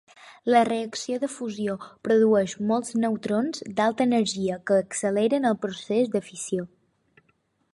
La reacció de fusió produeix molts neutrons d'alta energia que acceleren el procés de fissió.